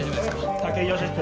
武井良彦